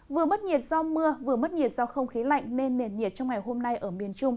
vừa mất nhiệt do mưa vừa mất nhiệt do không khí lạnh nên nền nhiệt trong ngày hôm nay ở miền trung